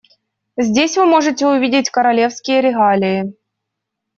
Здесь вы можете увидеть королевские регалии.